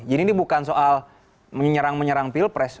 jadi ini bukan soal menyerang menyerang pilpres